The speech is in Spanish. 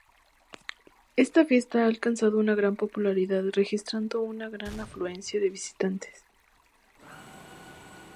Esta Fiesta ha alcanzado gran popularidad registrando una gran afluencia de visitantes.